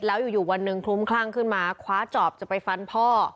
แล้วอยู่วันหนึ่งคลุ้มคลั่งขึ้นมาคว้าจอบจะไปฟันพ่อ